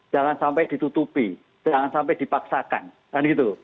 jangan sampai ditutupi jangan sampai dipaksakan kan gitu